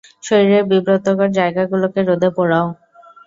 শরীরের বিব্রতকর জায়গাগুলোকে রোদে পোড়াও।